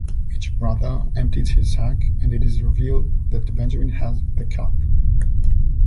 Each brother empties his sack, and it is revealed that Benjamin has the cup.